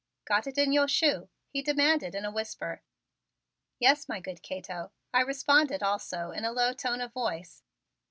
"Got it in yo' shoe?" he demanded in a whisper. "Yes, my good Cato," I responded also in a low tone of voice.